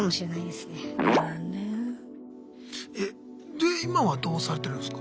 で今はどうされてるんすか？